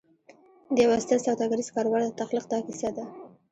د یوه ستر سوداګریز کاروبار د تخلیق دا کیسه ده